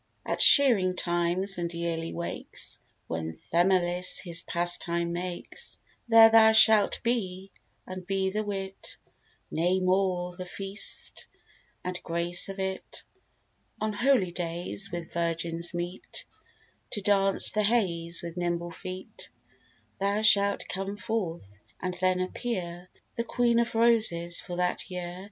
At shearing times, and yearly wakes, When Themilis his pastime makes, There thou shalt be; and be the wit, Nay more, the feast, and grace of it. On holydays, when virgins meet To dance the heys with nimble feet, Thou shalt come forth, and then appear The Queen of Roses for that year.